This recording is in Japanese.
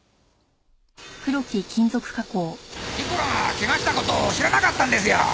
ニコラが怪我した事知らなかったんですよ。